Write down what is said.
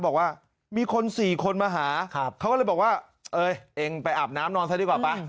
บอกว่ามีคน๔คนมาหาเขาก็เลยบอกว่าเอ้ยเองไปอาบน้ำนอนซะดีกว่าป่ะ